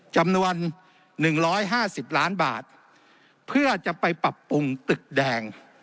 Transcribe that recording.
จำนวน๑๕๐ล้านบาทเพื่อจะไปปรับปรุงตึกแดง